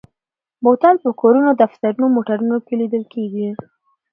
بوتل په کورونو، دفترونو او موټرو کې لیدل کېږي.